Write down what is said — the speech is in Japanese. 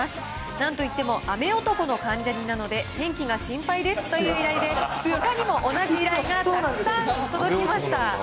なんといっても、雨男の関ジャニなので、天気が心配ですという依頼で、ほかにも同じ依頼がたくさん届きました。